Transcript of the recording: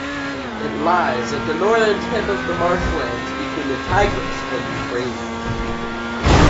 It lies at the northern tip of the marshlands between the Tigris and Euphrates.